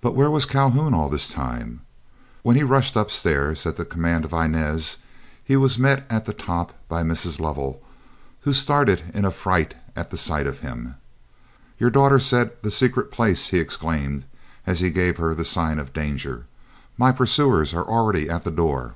But where was Calhoun all this time? When he rushed upstairs at the command of Inez, he was met at the top by Mrs. Lovell, who started in affright at the sight of him. "Your daughter said, 'The secret place!' " he exclaimed, as he gave her the sign of danger. "My pursuers are already at the door."